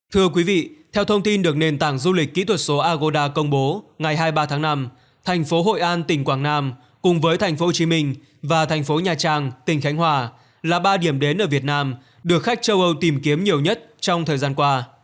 thưa quý vị theo thông tin được nền tảng du lịch kỹ thuật số agoda công bố ngày hai mươi ba tháng năm thành phố hội an tỉnh quảng nam cùng với tp hcm và thành phố nhà trang tỉnh khánh hòa là ba điểm đến ở việt nam được khách châu âu tìm kiếm nhiều nhất trong thời gian qua